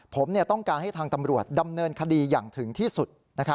ผมต้องการให้ทางตำรวจดำเนินคดีอย่างถึงที่สุด